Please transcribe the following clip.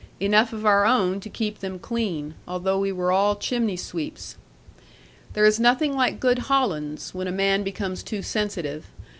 Enough of our own to keep them clean, although we all were chimney sweeps. There is nothing like good hollands, when a man becomes too sensitive.